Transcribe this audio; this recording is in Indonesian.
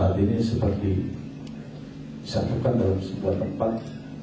hal ini seperti disatukan dalam sebuah tempat